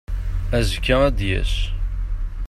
Azekka ad d-yas.